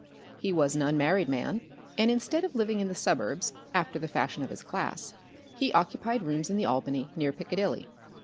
He was an unmarried man, and instead of living in the suburbs, after the fashion of his class, he occupied rooms in the Albany, near Piccadilly.